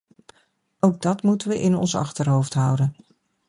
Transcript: Ook dat moeten we in ons achterhoofd houden.